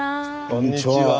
こんにちは。